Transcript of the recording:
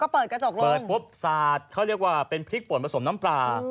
เปิดปุ๊บสาดเขาเรียกว่าเป็นพริกป่นผสมน้ำปลา